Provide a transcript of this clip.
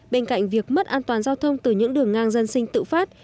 bên cạnh việc mất an toàn giao thông từ những đường ngang dân sinh tự phát